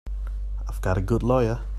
I've got a good lawyer.